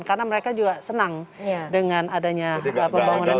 karena mereka juga senang dengan adanya pembangunan itu